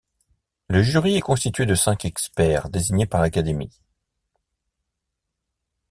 Le jury est constitué de cinq experts désignés par l'Académie.